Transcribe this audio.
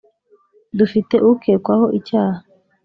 dufite ukekwaho icyaha